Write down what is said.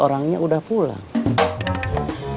orangnya udah pulang